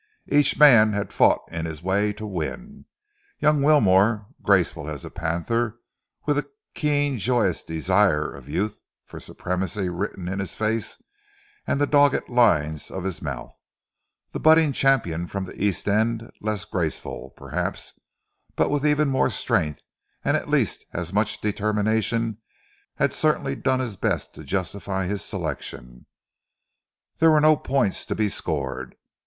Each man had fought in his way to win. Young Wilmore, graceful as a panther, with a keen, joyous desire of youth for supremacy written in his face and in the dogged lines of his mouth; the budding champion from the East End less graceful, perhaps, but with even more strength and at least as much determination, had certainly done his best to justify his selection. There were no points to be scored.